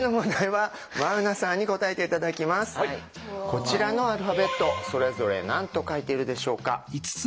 こちらのアルファベットそれぞれ何と書いているでしょうか？